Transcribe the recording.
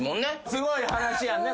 すごい話やんね。